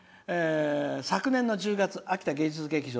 「昨年の１０月あきた芸術劇場